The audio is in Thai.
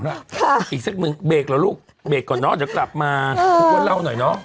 เอ้าอีกสักนึงเบรกแล้วลูกเบรกก่อนเนาะเดี๋ยวกลับมาพูดว่าเล่าหน่อยเนาะ